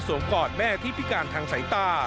กอดแม่ที่พิการทางสายตา